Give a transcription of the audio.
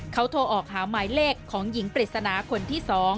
เขาโทรออกหาหมายเลขของหญิงปริศนาคนที่๒